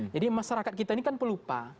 jadi masyarakat kita ini kan pelupa